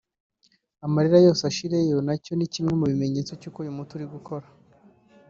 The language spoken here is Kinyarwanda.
amarira yose ashireyo nacyo ni kimwe mu bimenyetso by’uko uyu muti uri gukora